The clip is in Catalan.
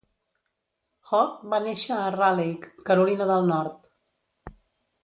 Hoch va néixer a Raleigh, Carolina del Nord.